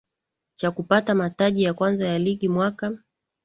Cha kupata mataji ya kwanza ya Ligi mwaka